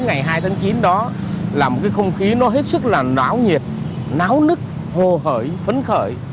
ngày hai tháng chín đó là một cái không khí nó hết sức là náo nhiệt náo nứt hồ hởi phấn khởi